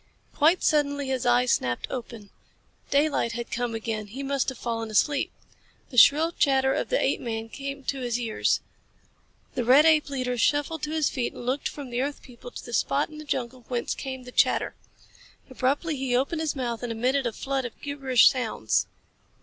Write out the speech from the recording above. Quite suddenly his eyes snapped open. Daylight had come again. He must have fallen asleep. The shrill chatter of the apeman came to his ears. The red ape leader shuffled to his feet and looked from the earth people to the spot in the jungle whence came the chatter. Abruptly he opened his mouth and emitted a flood of gibberish sounds.